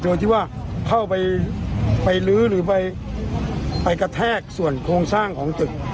โดยที่ว่าเข้าไปไปลื้อหรือไปกระแทกส่วนโครงสร้างของตึก